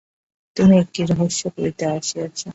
তুমি একি রহস্য করিতে আসিয়াছ!